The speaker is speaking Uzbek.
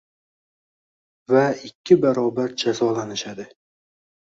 va ikki barobar jazolanishadi.